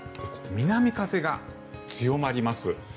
南風が強まります。